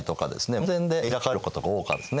門前で開かれることが多かったんですね。